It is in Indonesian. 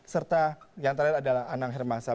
serta yang terakhir adalah anang hermansyah